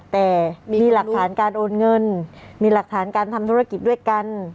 แต่มีหลักฐานการโอนเงินมีหลักฐานการทำธุรกิจด้วยกัน